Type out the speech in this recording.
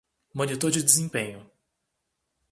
Monitor de desempenho